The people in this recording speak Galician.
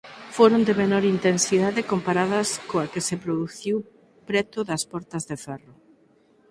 Foron de menor intensidade comparadas coa que se produciu preto das Portas de Ferro.